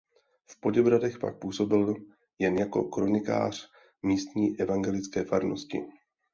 V Poděbradech pak působil jen jako kronikář místní evangelické farnosti.